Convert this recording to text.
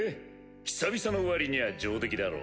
久々の割にゃあ上出来だろ。